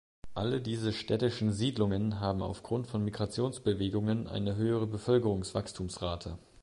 Alle diese städtischen Siedlungen haben aufgrund von Migrationsbewegungen eine höhe Bevölkerungswachstumsrate.